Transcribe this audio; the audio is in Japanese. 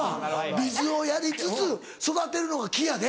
水をやりつつ育てるのが木やで。